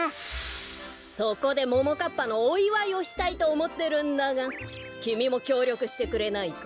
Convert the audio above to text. そこでももかっぱのおいわいをしたいとおもってるんだがきみもきょうりょくしてくれないか？